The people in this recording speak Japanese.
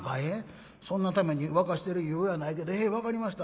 そんなために沸かしてる湯やないけどへえ分かりました。